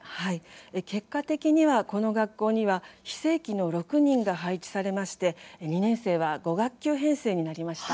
結果的には、この学校には非正規の６人が配置されまして２年生は５学級編成になりました。